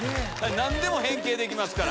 何でも変形できますから。